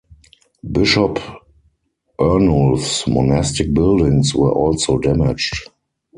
Bishop Ernulf's monastic buildings were also damaged.